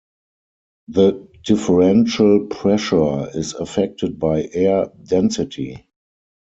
The differential pressure is affected by air density.